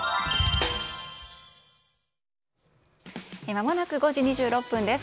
まもなく５時２６分です。